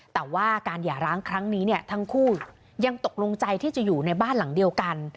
แต่ว่าการหย่าร้างครั้งนี้เนี่ยทั้งคู่ยังตกลงใจที่จะอยู่ในบ้านหลังเดียวกัน